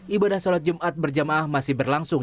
ibadah sholat jumat berjamaah masih berlangsung